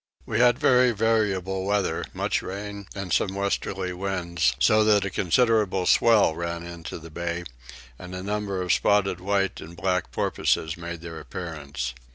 We had very variable weather, much rain, and some westerly winds; so that a considerable swell ran into the bay and a number of spotted white and black porpoises made their appearance.